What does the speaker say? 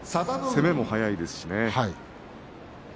攻めも速いです。